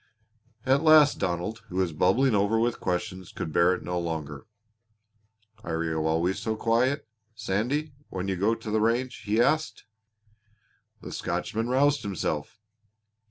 At last Donald, who was bubbling over with questions, could bear it no longer. "Are you always so quiet, Sandy, when you go to the range?" he asked. The Scotchman roused himself.